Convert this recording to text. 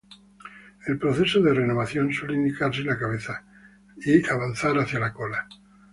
El proceso de renovación suele iniciarse en la cabeza y avanzar hacia la cola.